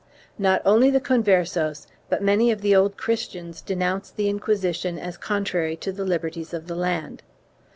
Not only the Conversos but many of the Old Christians denounced the Inquisition as contrary to the liberties of the land.